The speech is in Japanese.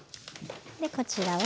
でこちらを。